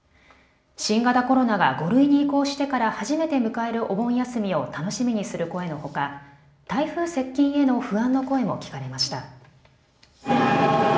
新型コロナが５類に移行してから初めて迎えるお盆休みを楽しみにする声のほか台風接近への不安の声も聞かれました。